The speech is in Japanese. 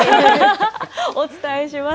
お伝えします。